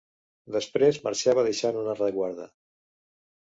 Després marxava deixant una reguarda.